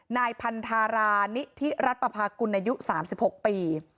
นายพันธารานิที่รัฐปภาคกุณยุ๓๖ปี